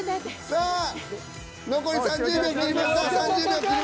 さあ残り１０秒。